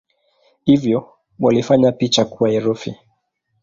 Hivyo walifanya picha kuwa herufi.